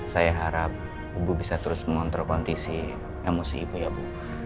saya harap ibu bisa terus mengontrol kondisi emosi ibu ya bu